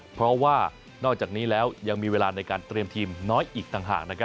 เพราะว่านอกจากนี้แล้วยังมีเวลาในการเตรียมทีมน้อยอีกต่างหากนะครับ